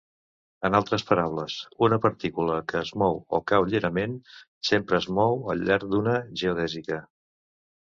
En altres paraules, una partícula que es mou o cau lliurement sempre es mou al llarg d'una geodèsica.